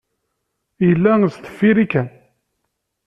Yella sdeffir-i kan.